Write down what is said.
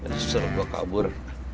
susah gue kabur